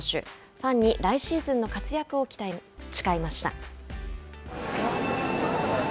ファンに来シーズンの活躍を誓いました。